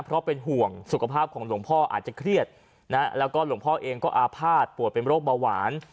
เพราะเป็นห่วงสุขภาพของหลวงพ่ออาจจะเครียดนะแล้วก็หลวงพ่อเองก็อาภาษณ์ปวดเป็นโรคเบาหวาน